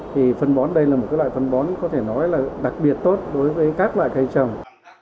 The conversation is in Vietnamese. thì phân bón đây là một loại phân bón có thể nói là đặc biệt tốt đối với các loại cây trồng